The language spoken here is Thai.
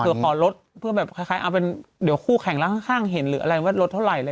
เดี๋ยวขอลดเพื่อแบบคล้ายเอาเป็นเดี๋ยวคู่แข่งแล้วข้างเห็นหรืออะไรว่าลดเท่าไหร่เลย